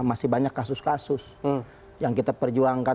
masih banyak kasus kasus yang kita perjuangkan